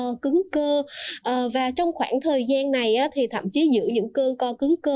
cơn co cứng cơ và trong khoảng thời gian này thì thậm chí giữa những cơn co cứng cơ